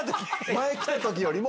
前来たときよりも。